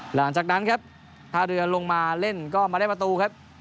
หลังจากนั้นท่าเรือลงมาเล่นก็มาและประตู